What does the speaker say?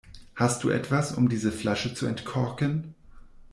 Hast du etwas, um diese Flasche zu entkorken?